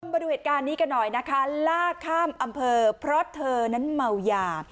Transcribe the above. มาดูเหตุการณ์นี้กันหน่อยนะคะลากข้ามอำเภอเพราะเธอนั้นเมายา